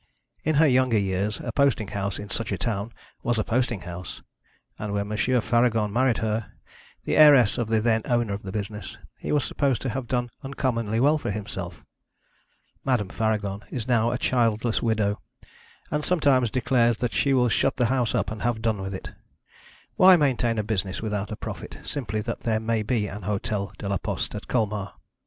In her younger years, a posting house in such a town was a posting house; and when M. Faragon married her, the heiress of the then owner of the business, he was supposed to have done uncommonly well for himself. Madame Faragon is now a childless widow, and sometimes declares that she will shut the house up and have done with it. Why maintain a business without a profit, simply that there may be an Hotel de la Poste at Colmar?